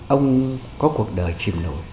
ông có cuộc đời chìm nổi